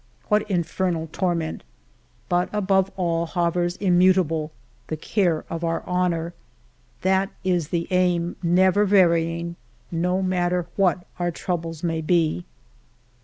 What infernal torment ! But above all hovers immutable the care of our honor ; that is the aim, never varying, no matter what our troubles may be.